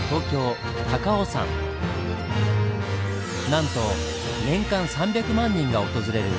なんと年間３００万人が訪れる